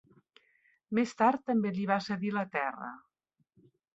Més tard també li va cedir la terra.